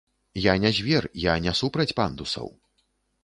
Я не звер, я не супраць пандусаў.